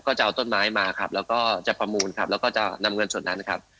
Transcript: ก็จะเอาต้นไม้มาครับแล้วก็จะประมูลครับแล้วก็จะนำเงินส่วนนั้นครับ